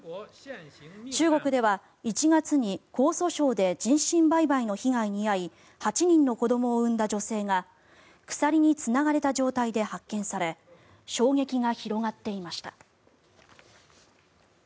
中国では１月に江蘇省で人身売買の被害に遭い８人の子どもを生んだ女性が鎖につながれた状態で発見され衝撃が広がっていました。